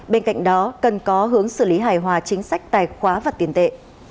bên cạnh đó cần có hướng xử lý hài hòa chính sách tài khoá và tiền tệ